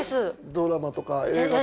ドラマとか映画とか。